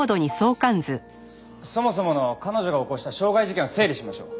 そもそもの彼女が起こした傷害事件を整理しましょう。